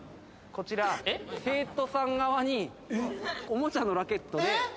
こちら生徒さん側におもちゃのラケットでえっ！？